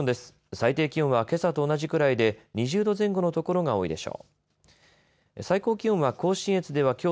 最低気温はけさと同じくらいで２０度前後の所が多いでしょう。